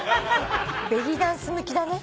ベリーダンス向きだね。